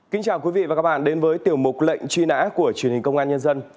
kính chào quý vị và các bạn đến với tiểu mục lệnh truy nã của truyền hình công an nhân dân